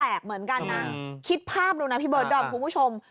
เหมือนกันนะคิดภาพดูนะพี่เบิร์ดดอมคุณผู้ชม